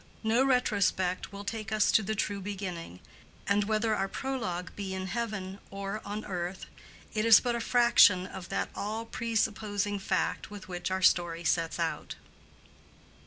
No retrospect will take us to the true beginning; and whether our prologue be in heaven or on earth, it is but a fraction of that all presupposing fact with which our story sets out.